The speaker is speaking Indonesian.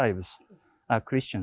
adalah orang kristian